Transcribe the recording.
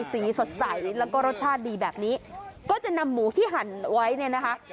สีสดใสแล้วก็รสชาติดีแบบนี้ก็จะนำหมูที่หั่นไว้เนี่ยนะคะ